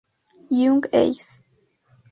Young Ace